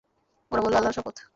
ওরা বলল, আল্লাহর শপথ!